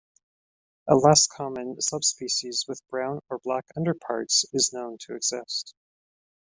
A less common sub-species with brown or black underparts is known to exist.